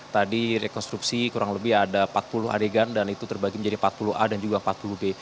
tadi rekonstruksi kurang lebih ada empat puluh adegan dan itu terbagi menjadi empat puluh a dan juga empat puluh b